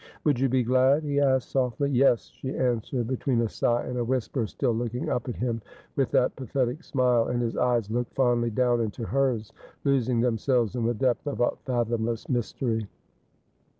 ' Would you be glad ?' he asked softly. ' Yes,' she answered, between a sigh and a whisper, still looking up at him with that pathetic smile ; and his eyes looked fondly down into hers, losing themselves in the depth of a fathomless mystery.